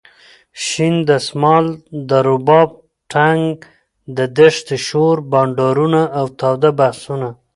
شین دسمال ،د رباب ټنګ د دښتې شور ،بنډارونه اوتاوده بحثونه.